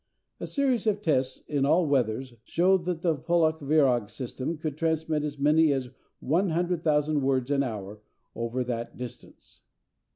A series of tests in all weathers showed that the Pollak Virag system could transmit as many as 100,000 words an hour over that distance.